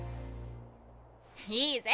いいぜ！